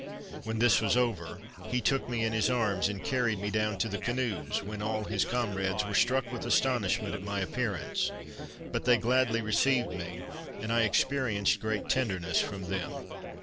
When this was over, he took me in his arms, and carried me down to the canoes, when all his comrades were struck with astonishment at my appearance; but they gladly received me, and I experienced great tenderness from them.